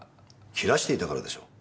切らしていたからでしょう。